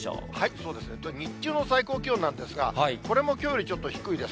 そうですね、日中の最高気温なんですが、これもきょうよりちょっと低いです。